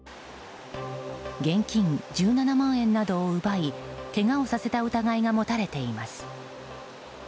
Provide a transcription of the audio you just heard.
現金１７万円などを奪いけがをさせた疑いが持たれています。